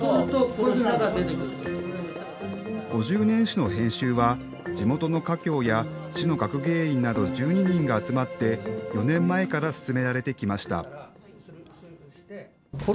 ５０年誌の編集は地元の華僑や市の学芸員など１２人が集まって４年前から進められてきました。